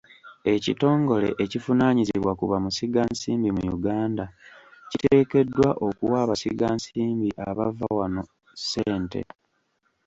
Ekitongole ekivunaanyizibwa ku bamusigansimbi mu Uganda kiteekeddwa okuwa abasiga nsimbi aba wano ssente.